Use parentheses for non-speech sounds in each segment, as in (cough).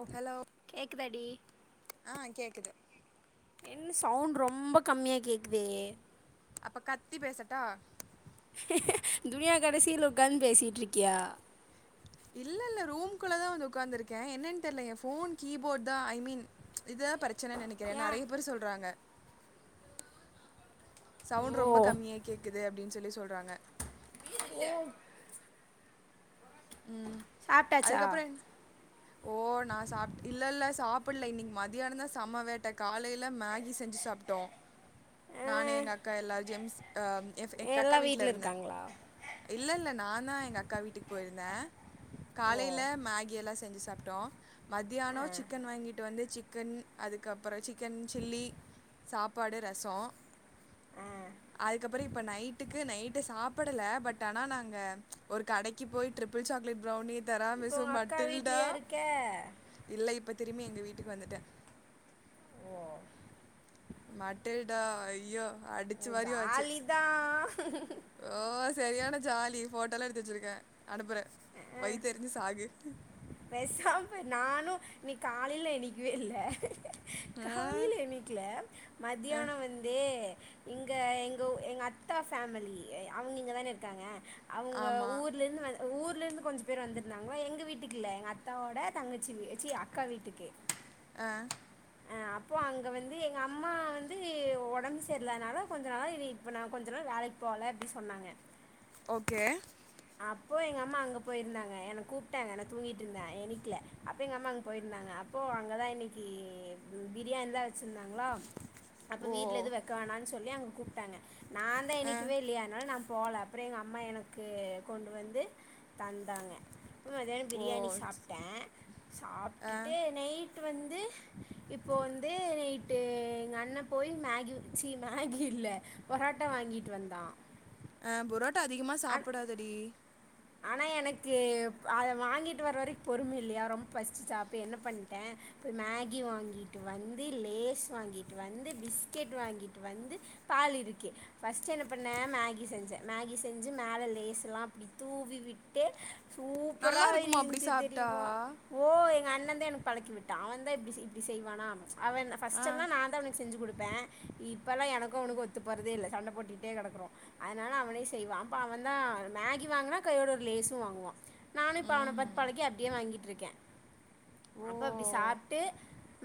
ஓ hello கேக்குதாடி ஏ ஆ கேக்குது என்ன சவுண்ட் ரொம்ப கம்மியா கேக்குதே அப்ப கத்தி பேசட்டா (unintelligible) கடைசில உக்காந்து பேசிட்டுருக்கியா இல்லல்ல ரூம்க்குள்ளதா வந்து உக்காந்துருக்கே என்னன்னு தெர்ல ஏ போன் கீபோர்டுதா ஐ மீன் இதுதா பிரச்சனன்னு நெனைக்கிற நெறைய பேரு சொல்றாங்க சவுண்ட் ரொம்ப கம்மியா கேக்குது அப்டின்னு சொல்லி சொல்றாங்க (unintelligible) உம் ம் சாப்ட்டாச்சா அதுக்கப்ற என்ன ஓ நா சாப்ட் இல்லல்ல சாப் புல்ல இன்னைக்கு மத்தியானந்தா செம்ம வேட்ட காலைல மேகி செஞ்சு சாப்ட்டோ ஆ நானு எங்க அக்கா எல்லாரு ஜெம்ஸ் ஆ ஏ ஃப் எங்கக்கா எல்லா வீட்ல இருந்த இருக்காங்களா இல்லல்ல நான்தா எங்கக்கா வீட்டுக்கு போயிருந்த ஓ காலையில மேகியெல்லா செஞ்சு சாப் ட்டோ மத்தியான ஆ சிக்கன் வாங்கிட்டு வந்து சிக்கன் அதுக்கப்பற சிக் சிக்கன் சில்லி சாப்பாடு ரசோ ஆ அதுக்கப்பற இப்ப நைட்டுக்கு நைட்டு சாப்புடல பட் ஆனா நாங்க ஒரு கடைக்கு போய் ட்ரிபிள் சாக்லேட் ப்ரௌனி இப்போ உங்க தராமிசம் அக்கா மட்டில்டா வீட்லயா இருக்க இல்ல இப்ப திரும்பி எங்க வீட்டுக்கு வந்துட்ட ஓ மட்டில்டா ஐயோ அடிச்சு வாரியாச்சு ஜாலிதா ஓ சரியான ஜாலி ஃபோட்டோலா எடுத்து வச்சிருக்க அனுப்புற ஆ வயித்தெரிஞ்சு சாகு பேசாம நானு நீ காலையில எணிக்கவே இல்ல ஆ காலையில எணிக்கல அ மத்தியான வந்து இங்க எங்க ஊ எங்க அத்தா ஃபேமிலி அவுங்க இங்கதான இருக்காங்க அவுங்க ஆமா ஊர்லேருந்து வ ஊர்லேருந்து கொஞ்ச பேர் வந்துருந்தாங்களா எங்க வீட்டுக்கு இல்ல எங்க அத்தாவோட தங்கச்சி ச்சி அக்கா வீட்டுக்கு ஆ அங்க வந்து எங்கம்மா வந்து ஒடம்பு செரில்லாதனால கொஞ்ச நாளா என்ன இப்ப நா கொஞ்ச நாள் வேலைக்கு போவல எப்டி சொன்னாங்க ஓகே அப்போ எங்கம்மா அங்க போயிருந்தாங்க என்ன கூப்ட்டாங்க நா தூங்கிட்ருந்த எணிக்கல அப்போ எங்கம்மா அங்க போயிருந்தாங்க அப்போ அங்கதா இன்னக்கி ம் பிரியாணிலா வச்சிருந்தாங்களா அப்ப ஓ வீட்ல எது வக்க வேணான்னு சொல்லி அங்க கூப்ட்டாங்க நாந்தா ஆ எணிக்கவே இல்லையே அதனால நா போல அப்ற எங்கம்மா எனக்கு கொண்டு வந்து தந்தாங்க ம் மத்தியான ஓ பிரியாணி சாப்ட்ட ஆ சாப்ட்டுட்டு நைட்டு வந்து இப்போ வந்து நைட்டு எங்க அண்ண போய் மேகி ச்சி மேகி இல்ல பொரோட் டா வாங்கிட்டு வந்தா ஆ பொரோட்டா அதிகமா சாப்புடாதடி ஆனா எனக்கு அத வாங்கிட்டு வர வரைக் பொறும இல்லையா ரொம்ப பசிச்சிச்சா அப்ப என்ன பண்ணிட்டே போய் மேகி வாங்கிட்டு வந்து லேஸ் வாங்கிட்டு வந்து பிஸ்கெட் வாங்கிட்டு வந்து பால் இருக்கு ஃபஸ்ட் என்ன பண்ண மேகி செஞ்ச மேகி செஞ்சு மேல லேஸ்லா புடிக் தூவி விட்டு நல்லா சூப்பரா இருக்குமா அப்டி இருந்ச்சு சாப்ட்டா தெரியுமா ஓ எங்க அண் ணதா எனக்கு பழக்கிவிட்டா அவன்தா இப்டி இப்டி செய்வானா அவ என்ன ஆ ஃபஸ்ட்டெல்லா நான்தா அவனுக்கு செஞ்சு குடுப் பே இப்பெல்லா எனக்கு உனக்கு ஒத்து போறதே இல்லை சண்ட பொட்டுடே கெடக்கிறோ அதனால அவன செய்வா அப்ப அவன் தா மேகி வாங்கினா கையோட ஒரு லேசு வாங்குவா நானு இப்பன பாத் ம்ஹ்ம் பாலக்கி அப்டியே வாங்கிட்டு இருக்கே ஓ! அப்ப அப்டி சாப்ட்டு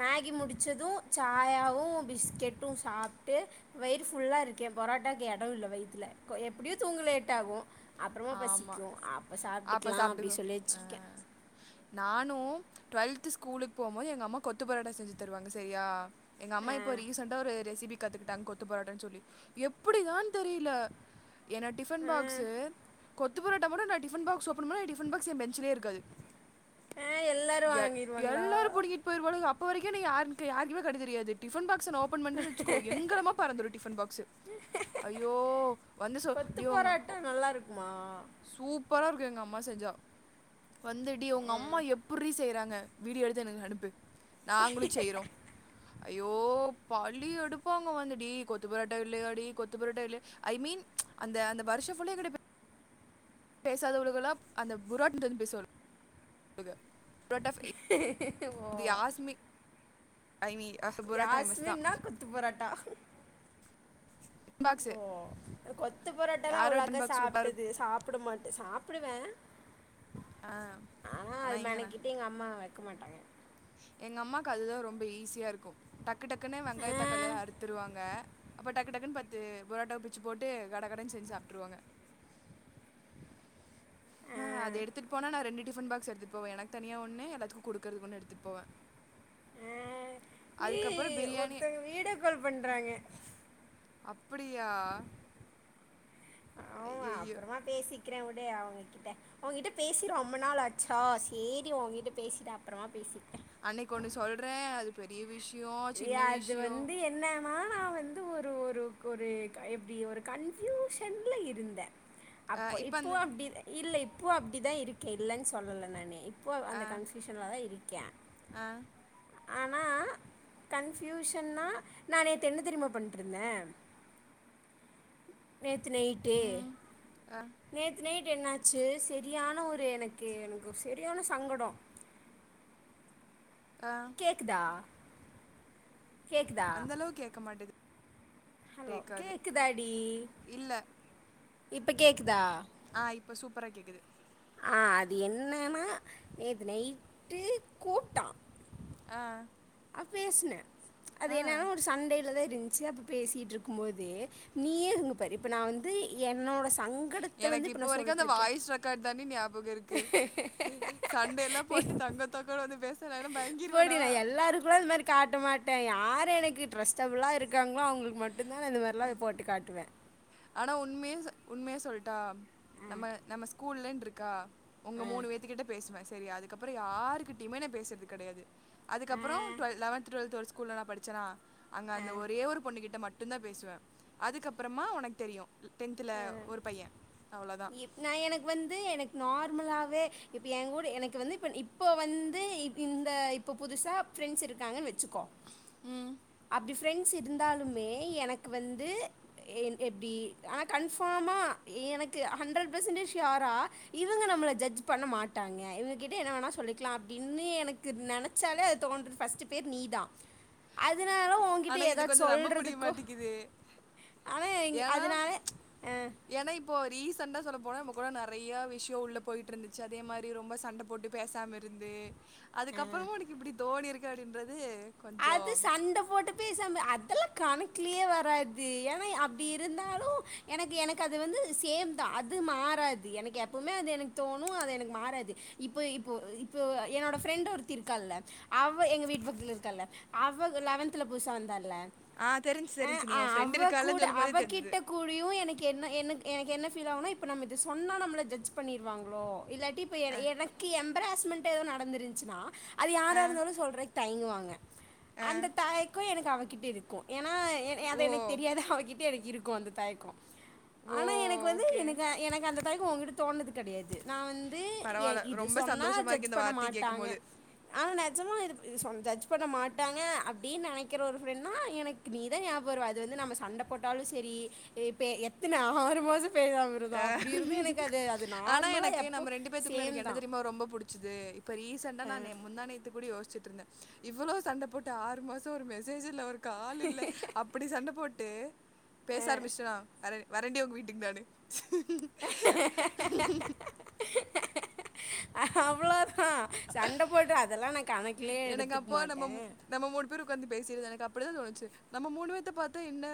மேகி முடிச்சது சாயாவு பிஸ்கெட்டு சாப்ட்டு வயிறு ஃபுல்லாக இருக்கே பொர ட்டாக்கு இடோ இல்ல வயித்துல எப்டியு தூங்க லேட் ஆகு அப்றோமா ஆமா. பசிக்கு அப்ப சாப்ட்டுக்கலா அப்டி சொல்லி வச்சிருக்கே நானு டிரை ஸ்கூலுக்கு போமோது எங்க அம்மா கொத்து பரோட்டா செஞ்சு தருவங்க செரியா எங்க அம்மா ஆ இப்ப ரீசண்டா ஒரு ரெசிபி கத்துக் டங்க கொத்து பொராட்டன்னு சொல்லி எப்டிதான் தெரியல ஏன டிப்பன் ஆ பாக்ஸ்சு கொத்து போரோட்ட மட்டு நா டிப்பன் பாக்ஸ்ல ஓப்பன்னுமே டிப்பன் பாக்ஸ் என் பெஞ்சலே இருக்காது ஆ எல்லாரு எல் வாங்கிருவாங்களா எல்லாரு பிடுங்கிட்டு போயிருவாலுங்க இப்ப வரைக்கு என்ன யாரு யாருமே கண்ணு தெரியாது டிப்பன் பாக் ஸ்சு ஓபன் பன்ட்டனு வச்சுோ எங்கிரமா பறந்துருமொ டிப்பன் பாக்ஸ்சு ஐயோ வந்து சோ கொத்து டிவாங்க பரோட்டா நல்லா இருக்குமா சூப்பரா இருக்கு எங்கம் அம்ம செஞ்சா வந்துடி ஒங்க ஆ அம்மா எப்ரி செய்யறாங்க வீடியோ எடுத்து எனக்கு அனுப்பு நாங்களு செய்யறோ அய்யோ பள்ளி எடுப்பாங்க வந்தடி கொத்து புரட்டா இல்லையாடி கொத்து புரோட்டா இல்லைய ஐ மீன் அந்த அந்த வருஷஃபுல்லா இங்கடைப் பேசாதவழுகெல்லாப் அந்த புரோட் பொய் பேசொல் புரோட் ஆப் ட்டுவோ ஐ மீன் புரோட்டா ஃபேமஸ் தான் யாஸ்மின்னா குத்து புரோட்டா (inaudible) ஓ கொத்து பரோட்டல்லா யாரோ டின் அவ்ளோக்கா பாக்ஸ் சூப்பராக சாப்ட்டது இருக்கும் சாப்ட மாட்டே சாப்டுவே ஆ ஆ அத மெனக்கிட்டு எங்க அம்மா வைக்க மாட்டாங்க எங்க அம்மாக்கு அதுதா ரொம்ப ஈஸியா இருக்கு டக் டக்குடக்ன்னே ஆ வெங்காய தக்காளிய அறுத்துருவாங்க அப்டக் கடகட பத்து பொரோட்டா பிச்சு போட்டு கடகடன் செஞ்சு சாப்ட்டுருவாங்க ஆ அது எடுத்துட்டு போனா நா ரெண்டு டிஃபன் பாக்ஸ் எடுத்துட்டுபொவே எனக்கு தனியா ஒன்னு எல்லாத்துக்கு குடுக்கறக்குன்னு எடுத்துட்டு போவே ஆ நீ அதுக்கப்றோ பிரியாணி ஒருத்தங்க வீடியோ கால் பண்றாங்க அப்டியா ஐய்யோ வக்கிறே உடு அவுங்ககிட்ட ஒங்ககிட்ட பேசி ரொம்ப நாள் ஆச்சா செரி ஒங்கிட்ட பேசிவிட்டு அப்றோமா பேசிவிட் அன்னைக்கு ஒண்ணு சொல்றே அது பெரிய விஷ் ரியா அது வந்து என்ன நானா வந்து ஒரு ஒரு ஒரு எப்டி ஒரு கன்பியூஷன்ல இருந்தே அப்போ இப்போ அந்த இப்பவு அப்டி இல்ல இப்பவு அப்டிதா இருக்கே இல்லன்னு சொல்லல நானே இப்போ ஆ அந்த கன்ஃப்யூஷன்லதா இருக்கே ஆ ஆனா கன்ஃபியூஷன்னா நா நெத்து தெரும்மா பண்ட்டு இருந்தே நேத்து நைட்டே ம் ஆ நேத் நைட் என்னாச்சு செரியான ஒரு எனக்கு எனக்கு செரியான சங்கடொ ஆ கேக்குதா கேக்குதா அந்த அளவு கேக்க மாட்டேது ஹலோ கேட்காது கேக்குதா டீ இல்ல. இப்ப கேக்குதா ஆ இப்ப சூப்பரா கேக்குது ஆ அது என்னன்னா நேத்து நைட்டு கூப்டா ஆ அ பேசுனே அது ஆ. என்னனா ஒரு சண்டையில தான் இருன்சு அப்ப பேசீட்ருக்கும் போது நீயே இங்க பாரு இப்ப நா வந்து என்னோட சங்கடத்தை வந்து எனக்கு இப்போ இப்ப நான் வரக்கு சொல்லிட்டு அந்த இருக்கேன் வாய்ஸ் ரெக்காட் தான்டி ஞாபக இருக்கு சண்ட எல்லா போ ட்டு தங்கொ தங்கொனு வந்து பேஸ் போடி நா எல்லார்குலா அந்த மாரி காட்ட மாட்டே எ ஆரு எனக்கு ட்ரஸ்டபுளா இருக்காங்ளோ அவங்குக்கு மட்டு தா நா இந்த மாரிலா போட்டு காட்டுவேன் ஆனா உண்மய உண்மைய சொல்டா நம்ம நம்ம ஸ்கூல்லன் ருக்கா ஒங்க ஆ ஆ மூணு வேத்து கிட்ட பேசுவன் செரியா அதுக்கப்பற யாருகிட்டியுமே நா பேசுறது கெடையாது அதுக்கப்பறோ ஆ ட்வ லெவன்து ட்வல்த்து ஒரு ஸ்கூல்ல நா படிச்சனா அங்க அந்த ஒரே ஒரு பொண்ணு கிட்ட மட்டுந்தா பேசுவன் அதுக்கப்றமா ஒனக் தெரியு டென்துல ஒரு பைய்ய நா எனக் வந்து எனக் நார் மலாவே இப்ப என் கூட எனக்கு வந்து இப்ப இப்போ வந்து இந்த இப்ப புதுசா ப்ரெண்ஸ் இருக்காங்கன் வெச்சுக்கோ ம். ப்ரெண்ஸ் இருந்தாலுமே எனக்கு வந்து என் எப்டி ஆனா கன்பமா எனக்கு ஹண்ட்ரட் பசன்டேஜ் ஸ்வரா இவங்க நம்மள ஜஜ் பண்ண மாட்டாங்க இவ்ங்கிட்ட என்ன வேணா சொல் லிக்லா அப்டின்னு எனக்கு நெனச்சாலே அது தோன்ற பஸ்ட்டு பேர் நீதா ஆனா இது கொஞ்சொ நம்ப முடிய மாட்டிக்குதே ஆனால் ஏன்னா அதனால ஆ ஏன்னா இப்போ ரீசண்டா சொல்ல போனா நம கூட நறைய்யா விஷ்யோ உள்ள போய்ட்ருந்துச்சு அதே மாரி ரொம்ப சண்ட போட்டு பேசாம இருந்து அதுக்கபறமு ஒனக்கு இப்டி தோனி இருக்கு அப்டின்றது கொஞ்சோ அது சண்ட போட்டு பேசாம அதெல்லா கணக்லயே வராது ஏன்னா அப்டி இருந்தாலு எனக்கு எனக்கு அது வந்து சேம் தா அது மாறாது எனக்கு எப்பவுமே அது எனக் தோணு அது எனக்கு மாறாது இப்ப இப்போ இப்போ என்னோட ப்ரெண்ட் ஒருத்தி இருக்கால்ல அவ எங்க வீட் பக்த்துல இருக்கால்ல அவ லெவன்த்ல புதுசா வந்தால்ல ஆ தெரிஞ்சு அ தெரிஞ்சு நீ அ உன் ஃப்ரெண்ட் அவ இருக்காலன்னு கூட சொல்லும் போதே தெரிஞ்சுது அவகிட்ட கூடியும் எனக்கு என்ன எனக் எனக்கு என்ன பீல் ஆவுனா இப்ப நம்ம இது சொன்னா நம்மள ஜஜ் பண்ணிருவாங்ளோ இல்லாட்டிப்ப எனக்கு எம் பெராஸ்மெண்ட் எதோ நடந்துருன்ச்சுனா அது ஆ யாரா இருந்தாலு சொல்றக்கு தய்ங்குவாங்க ஆ அந்த தயக்கொ எனக்கு அவகிட்ட இருக்கு ஏன்னா அது ஓ எனக் தெரியாது அவகிட்ட எனக் இருக் க்கு அந்த தாய்கொ ஓ ஆனா எனக்கு வந்து ஓகே எனக்கு எனக்கு அந்த தாய்கொ ஒங்கிட்ட தோண்ணது கெடையாது நா வந்து பரவால்ல இது ரொம்ப சொன்னா சந்தோஷமா ஜஜ் இருக்கு இந்த பண்ண வார்த்தைய கேட்கும் மாட்டாங்க போது ஆனா நெஜமா இது இ சொன் ஜஜ் பண்ண மாட்டாங்க அப்டீன் நெனக்கிற ஒரு ப்ரெண்ணா எனக்கு நீதா ஞாபக வருவ அது வந்து நம்ம சண்ட போட்டாலு செரி இப்ப எத்தன அறு மாசம் பேசாம அ இருந்தோம். அப்படி இருந்தும் எனக்கு அது அது ஆனா நார்மலா எனக்கு எப்போ நம்ம ரெண்டு பேத்துக்குள்ள சேம் எனக்கு என்ன தான். தெரியுமா ரொம்ப புடிச்சுது இப்ப ரீசண்டா நானு முந்தாநேத்து கூடி யோஸ்ச் ட்ருந்தே இவ்வளோ சண்ட போட்டு ஆறு மாசொ ஒரு மெசேஜ் இல்ல ஒரு கால் இல்ல அப்டி சண்ட போட் பேசாரம்பிச்டோனா வர வரண்டி ஒங்க வீட்டு நானு அவ்ளோ த கணக்கிலேயே எனக்கு எடுத்துக்க அப்பா நம்ம மாட்டேன். நம்ம மூணு பேர் உட்காந்து பேசிர்த்தோ எனக்கு அப்படி தான் தோணுச்சு நம்ம மூணுவேத்த பாத்தா என்ன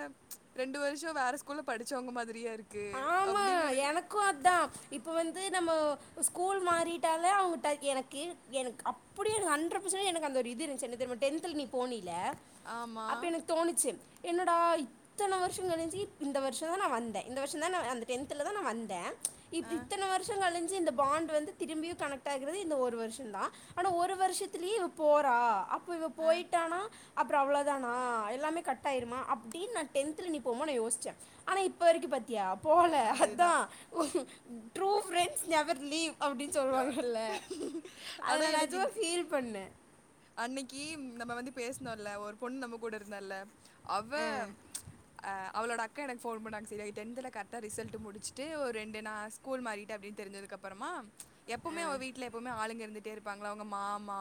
ரெண்டு வருஷம் வேற ஸ்கூல்ல படிச்சவங்க மாதிரியா இருக்கு ஆமா அப்டின் எனக்கும் அதா இப்ப வந்து நம்ம ஸ்கூல் மாறிட்டாலே அவங்க எனக்கு எனக்கு அப்படியே எனக்கு ஹண்ட்ரட் பார்சன்ண்ட் எனக்கு அந்த ஒரு இது இருந்துச்சு என்ன தெரியுமா டென்த்தில் நீ போனியிலை ஆமா அப்ப எனக்கு தோணிச்சு என்னோட இத்தனை வருஷம் கழிச்ச இந்த வருஷம் தான் நான் வந்தே இந்த வருஷம் தான் அந்த டென்த்துல தான் நான் வந்தே இத் அ இத்தனை வருஷம் கழிசு இந்த பாண்ட் வந்து திரும்பியும் கனெக்ட் ஆகிறது இந்த ஒரு வருஷம் தான் ஆனா ஒரு வருஷத்திலயே இவ போற அப் அப்ப இவ அ போயிட்டானா அப்ற அவ்ளோதானா எல்லாமே கட்டாயிறுமா அப்டின் நான் டென்த்தல நீ பொம்மன யோஸ்ச்ச ஆனா இப்ப வரைக்கு பத் தியா போல அத்தா அதுதான் ட்ரூ ஃபிரண்ட்ஸ் நெவர் லீவ் அப்டின் யா சொல்வாங்கல்ல அத நான் நெஜமா ஃபீல் பண்ண அன்னைக்கி ம் நம்ம வந்து பேஸ்னோல்ல ஒரு பொண்ணு நம்ம கூட இருந்தல்ல அவ அ அவளோட அக்கா எனக்கு ஃபோன் பண்ணாங்க சரிய டென்த்தல கர்ட்டா ரிசல்ட்டு முடிச்சுட்டு ஒரு ரெண்டு நா ஸ்கூல் மாறிட்ட அப்டின் தெரிஞ்சதுக்கா அப்பறமா எப்பவுமே ஆ அவ வீட்ல எப்பவுமே ஆளுங்க இருந்துட்டே இருப்பாங்ளா அவுங்க மாமா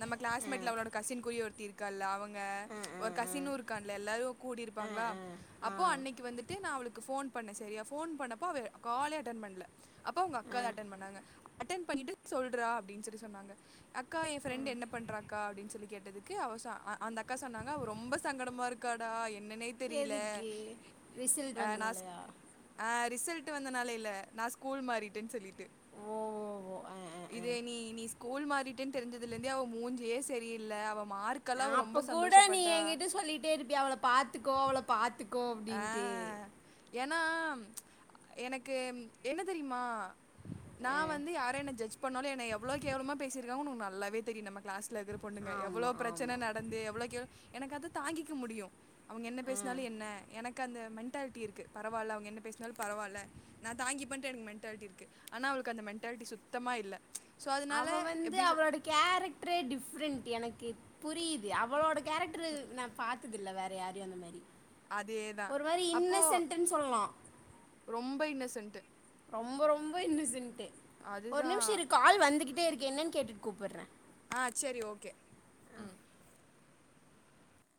நம்ம ஆ கிளாஸ்மெட்ல அவளோட கசின் கூரியோ ஒருத்தி இருக்கால்ல அவங் ங்க ஆ ஒரு ஆ கசின்னு இருக்கான்ல்ல எல்லாரு கூடி ஆ இருப்பாங்ளா ஆ ஆ அப்போ அன்னைக்கு வந்துட்டு நா அவளுக்கு போன் பண்ண சரியா போன் பண்ணப்ப அவ காலே அட்டன் பண்ல அப்போ அவுங்க ஆ அக்காத அட்டன் பண்ணாங்க அட்டன் பண்ணிட்டு சொல்றா அப்டின் சொல்லி சொன்னாங்க அக்கா எ ஃபிரண்ட்டு என்னப் பண்றாக்கா அப்டின் சொல்லி கேட்டதுக்கு அவ சொ அ அந்த அக்கா சொன்னாங்க ரொம்ப சங்கடமா இருக்காடா எ என்னனே தெரில எதுக்கு ரிசல்ட் அ நாஸ் வந்தனாலயா அ ரிசல்ட் ட்டு வந்தனால இல்ல நா ஸ்கூல் மாறிட்டன் சொல்லிட்டு ஓ ஓ ஓ ஆ ஆ ஆ இதே நீ நீ ஸ்கூல் மாறிட்டன் தெரிஞ்சதுலந்தே அவ மூஞ்சியே சரியில்ல அவ அப்ப ரொம்ப கூட நீ சந்தோஷப்பட்டா எங்கிட்ட சொல்லிட்டே இருப்பியா அவள பாத்துக்கோ அவள பாத் த்துக்கோ அப்டின்ட்டு ஏனா எனக்கு என்ன தெரியுமா நா ஆ, வந்து யாரையு என்ன ஜட்ஜ் பண்ணாலு என்னை எவ்ளோ கேவலமா பேசிருக்கா நல்லாவே தெரியு நம்ம கிளாஸ் ட்ல இக்கற பொண்ணுங்க ஆமா எவ்ளோ ஆமா பிரச்சன நடந்து எவ்ளோ கேள் எனக்கு அது தாங்கிக்க முடியு அவுங்க என்ன ஆ, பேஸ்னாலு என்ன எனக்கு அந்த மெண்டேல்டி இருக்கு பரவால்ல அவுங்க என்ன பேஸ்னாலு பரவால்ல நா தங்கிப்பன்ட்டு எனக்கு மெண்டேல்டி இருக்கு ஆன் னா அவுளுக்கு அந்த மெண்டேல்டி சுத்தமா இல்ல ஸோ, அதனால அவ வந்து எப்படி சொ அவளோட கேரக்ட்ரே டிஃப்ரெண்ட் எனக்கு புரிது அவளோட கேரக்ட்ரு நா பாத்ததில்ல வேற யாரையு அந்தமாரி அதேதான். ஒரு மாரி அப்போ இன்னசன்டுன் சொல்லா ரொம்ப இன்னசென்ட்டு. ரொம்ப ரொம்ப இன்னசென்ட்டு ஒரு அதுதான். நிம்ஷ இரு கால் வந்துக்கிட்டே இருக்கு என்னன் கேட்டுட் கூப்பர்ற ஆ சரி, ஓகே. ம்.